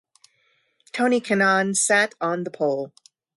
Tony Kanaan sat on the pole.